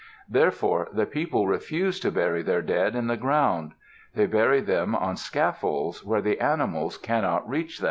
Therefore the people refused to bury their dead in the ground. They bury them on scaffolds where the animals cannot reach them.